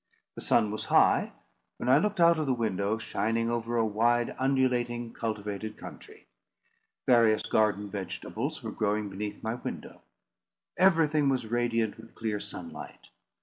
The sun was high, when I looked out of the window, shining over a wide, undulating, cultivated country. Various garden vegetables were growing beneath my window. Everything was radiant with clear sunlight.